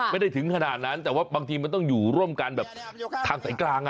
ถึงขนาดนั้นแต่ว่าบางทีมันต้องอยู่ร่วมกันแบบทางสายกลาง